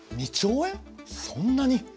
そんなに！